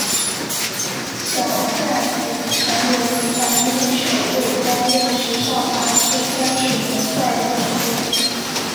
小坂也成为团内首位担任时尚杂志专属模特儿的成员。